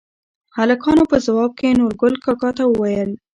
هلکانو په ځواب کې نورګل کاکا ته ووېل: